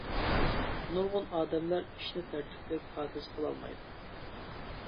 نۇرغۇن ئادەملەر ئىشنى تەرتىپلىك، پاكىز قىلالمايدۇ.